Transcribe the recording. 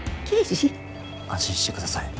安心して下さい。